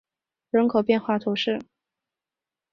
圣阿勒班德沃塞尔人口变化图示